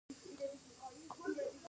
ایا ستاسو همکاري به پیل شي؟